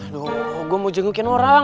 loh gue mau jengukin orang